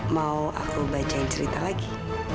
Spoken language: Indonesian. mau aku bacain cerita lagi